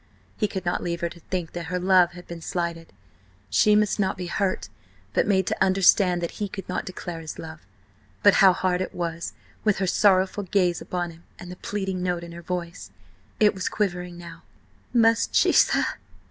He could not leave her to think that her love had been slighted. She must not be hurt, but made to understand that he could not declare his love. But how hard it was, with her sorrowful gaze upon him and the pleading note in her voice. It was quivering now: "Must she, sir?"